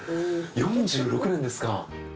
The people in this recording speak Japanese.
４６年ですか。